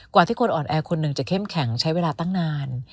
ที่คนอ่อนแอคนหนึ่งจะเข้มแข็งใช้เวลาตั้งนาน